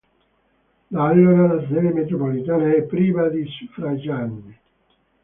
Da allora la sede metropolitana è priva di suffraganee.